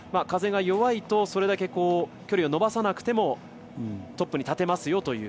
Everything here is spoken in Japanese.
風が弱いとそれだけ距離を伸ばさなくてもトップに立てますよと。